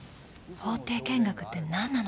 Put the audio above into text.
法廷見学ってなんなの？